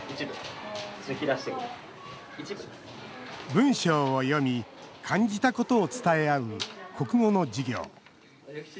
文章を読み、感じたことを伝え合う国語の授業。